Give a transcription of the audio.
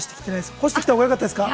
干した方が良かったですか？